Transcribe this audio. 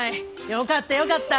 よかったよかった。